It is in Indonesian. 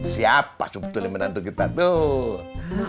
siapa sebetulnya menantu kita tuh